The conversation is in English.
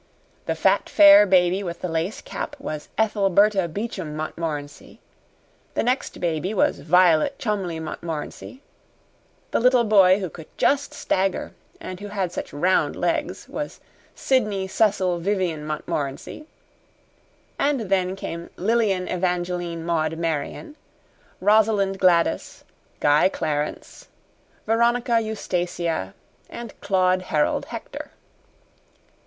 The fat, fair baby with the lace cap was Ethelberta Beauchamp Montmorency; the next baby was Violet Cholmondeley Montmorency; the little boy who could just stagger and who had such round legs was Sydney Cecil Vivian Montmorency; and then came Lilian Evangeline Maud Marion, Rosalind Gladys, Guy Clarence, Veronica Eustacia, and Claude Harold Hector.